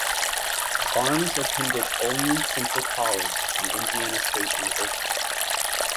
Barmes attended Olney Central College and Indiana State University.